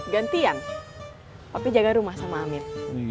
gantian papi jaga rumah sama amin